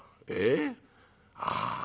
ええ？ああ。